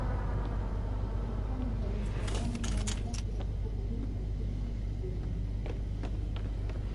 Першапачаткова гэта быў складаны ў плане трохпавярховы будынак у стылі класіцызму.